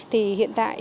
thì hiện tại